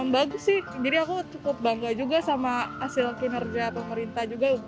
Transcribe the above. bagus sih jadi aku cukup bangga juga sama hasil kinerja pemerintah juga